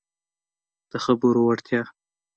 د خبرو وړتیا